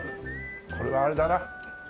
これはあれだな。